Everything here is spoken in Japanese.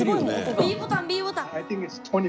ＢボタンＢボタン！